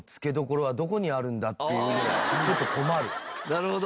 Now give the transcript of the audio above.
なるほど。